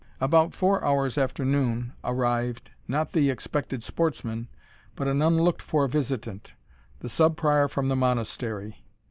About four hours after noon, arrived, not the expected sportsmen, but an unlooked for visitant, the Sub Prior from the Monastery.